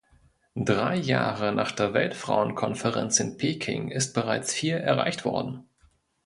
Drei Jahre nach der Weltfrauenkonferenz in Peking ist bereits viel erreicht worden.